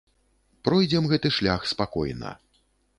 Пройдзем гэты шлях спакойна.